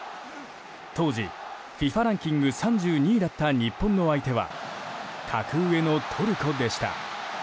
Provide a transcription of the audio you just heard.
当時ＦＩＦＡランキング３２位だった日本の相手は格上のトルコでした。